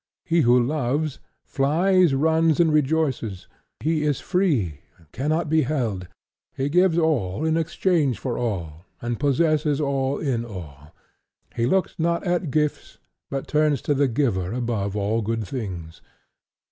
He who loves, flies, runs, and rejoices; he is free and cannot be held. He gives all in exchange for all, and possesses all in all. He looks not at gifts, but turns to the giver above all good things.